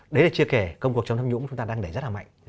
đấy là chia kể công cuộc chống thâm nhũng chúng ta đang đẩy rất là mạnh